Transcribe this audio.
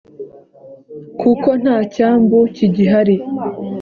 kuko nta cyambu kigihari.